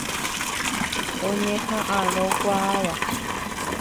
Oñeha'ãrõkuaáva.